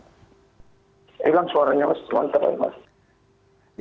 hilang suaranya mas silakan pak